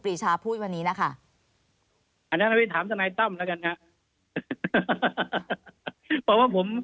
เพราะว่าผม